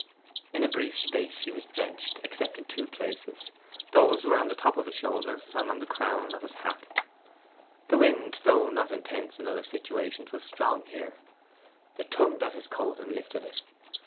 In a brief space he was drenched, except in two places. These were on the top of his shoulders and on the crown of his hat. The wind, though not intense in other situations was strong here. It tugged at his coat and lifted it.